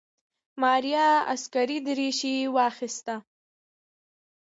ماريا عسکري دريشي واخيسته.